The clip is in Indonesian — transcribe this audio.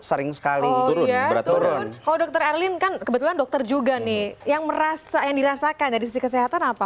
sering sekali ya turun kalau dokter erlin kan kebetulan dokter juga nih yang merasa yang dirasakan dari sisi kesehatan apa